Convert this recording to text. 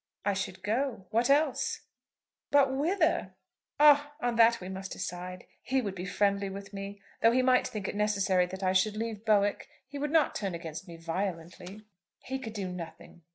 "I should go. What else?" "But whither?" "Ah! on that we must decide. He would be friendly with me. Though he might think it necessary that I should leave Bowick, he would not turn against me violently." "He could do nothing."